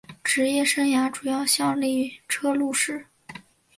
职业生涯主要效力车路士。